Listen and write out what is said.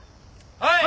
はい！